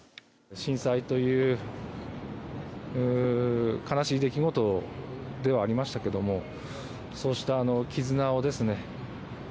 震災という悲しい出来事ではありましたけれどもそうした絆をですね